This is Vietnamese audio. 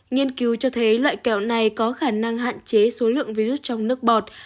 nghiên cứu cho thấy loại kẹo này có khả năng hạn chế số lượng virus trong nước bọt